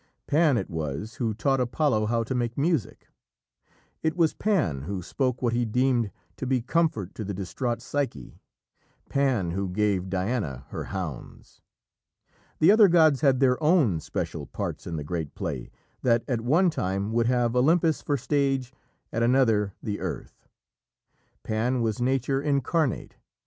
Pan it was who taught Apollo how to make music. It was Pan who spoke what he deemed to be comfort to the distraught Psyche; Pan who gave Diana her hounds. The other gods had their own special parts in the great play that at one time would have Olympus for stage, at another the earth. Pan was Nature incarnate.